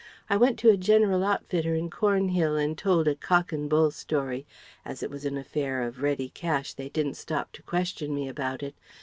I went to a general outfitter in Cornhill and told a cock and bull story as it was an affair of ready cash they didn't stop to question me about it.